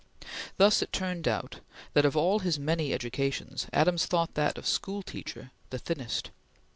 Thus it turned out that of all his many educations, Adams thought that of school teacher the thinnest.